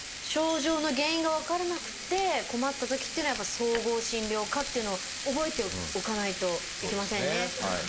症状の原因が分からなくて困ったときっていうのは総合診療科というのを覚えておかないといけませんね。